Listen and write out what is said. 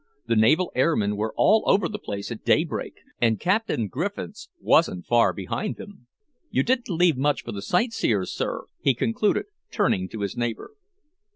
The naval airmen were all over the place at daybreak, and Captain Griffiths wasn't far behind them. You didn't leave much for the sightseers, sir," he concluded, turning to his neighbour.